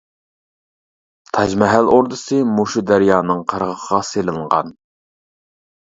تاج مەھەل ئوردىسى مۇشۇ دەريانىڭ قىرغىقىغا سېلىنغان.